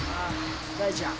大ちゃん。